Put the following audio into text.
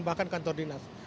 bahkan kantor dinas